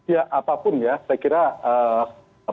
ya apapun ya saya kira